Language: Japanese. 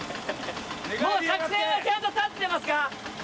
もう作戦はちゃんと立ってますか？